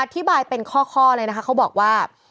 อธิบายเป็นข้อเลยนะคะเขาบอกว่า